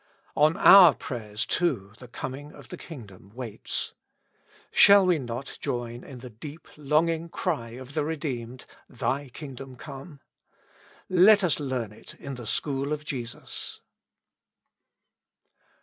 On our prayers, too, the coming of the kingdom waits. Shall we not join in the deep longing cry of the redeemed :" Thy kingdom come ?" Let us learn it in the school of Jesus!